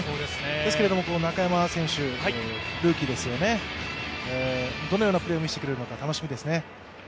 ですけれども、中山選手、ルーキーですよね、どのようなプレーを見せてくれるのか楽しみですよね。